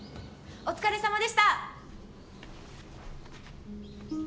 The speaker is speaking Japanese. お疲れさまでした！